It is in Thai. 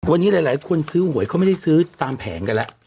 วันนี้หลายคนซื้อหวยเขาไม่ได้ซื้อตามแผงกันแล้ว